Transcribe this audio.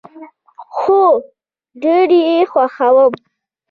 هو، ډیر یی خوښوم